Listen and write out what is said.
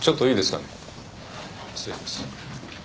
失礼します